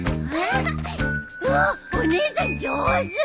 わっお姉さん上手！